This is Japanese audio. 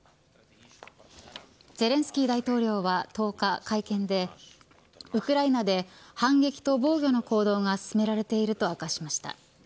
ゼレンスキー大統領は１０日会見でウクライナで反撃と防御の行動が進められていると明かしました。